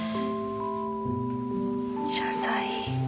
謝罪。